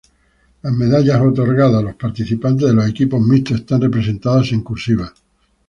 Las medallas otorgadas a los participantes de los equipos mixtos están representadas en "cursiva".